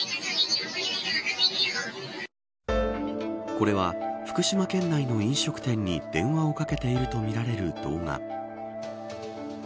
これは福島県内の飲食店に電話をかけているとみられる動画。